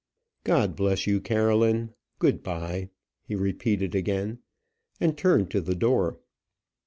"God bless you, Caroline; good bye," he repeated again, and turned to the door.